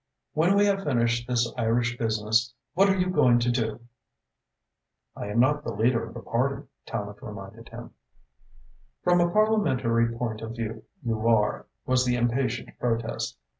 "When we have finished this Irish business, what are you going to do?" "I am not the leader of the party," Tallente reminded him. "From a parliamentary point of view you are," was the impatient protest.